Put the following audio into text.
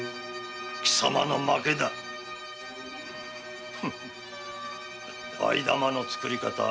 貴様の負けだ藍玉の作り方